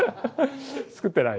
造ってない。